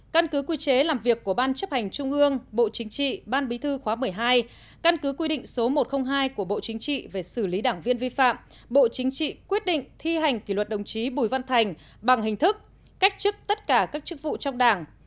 căn cứ quy chế làm việc của ban chấp hành trung ương bộ chính trị ban bí thư khóa một mươi hai căn cứ quy định số một trăm linh hai của bộ chính trị về xử lý đảng viên vi phạm bộ chính trị quyết định thi hành kỷ luật đồng chí bùi văn thành bằng hình thức cách chức tất cả các chức vụ trong đảng